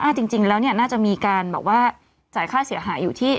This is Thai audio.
จริงแล้วเนี่ยน่าจะมีการแบบว่าจ่ายค่าเสียหายอยู่ที่